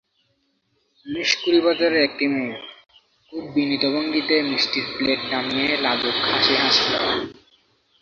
উনিশ কুড়ি বছরের একটি মেয়ে খুব বিনীত ভঙ্গিতে মিষ্টির প্লেট নামিয়ে লাজুক হাসি হাসল।